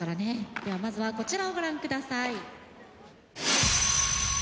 ではまずはこちらをご覧下さい。